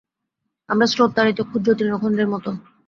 আমরা স্রোত-তাড়িত ক্ষুদ্র তৃণখণ্ডের মত।